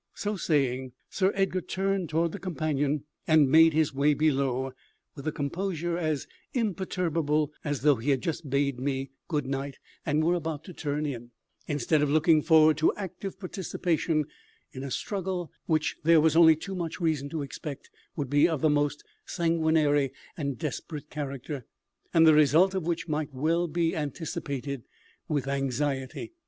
So saying, Sir Edgar turned toward the companion and made his way below with a composure as imperturbable as though he had just bade me "good night" and were about to turn in, instead of looking forward to active participation in a struggle which there was only too much reason to expect would be of the most sanguinary and desperate character, and the result of which might well be anticipated with anxiety.